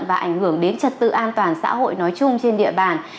và ảnh hưởng đến trật tự an toàn xã hội nói chung trên địa bàn